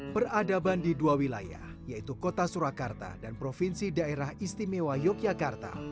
peradaban di dua wilayah yaitu kota surakarta dan provinsi daerah istimewa yogyakarta